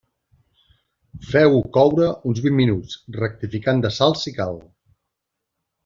Feu-ho coure uns vint minuts, rectificant de sal si cal.